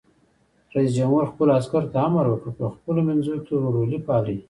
رئیس جمهور خپلو عسکرو ته امر وکړ؛ په خپلو منځو کې ورورولي پالئ!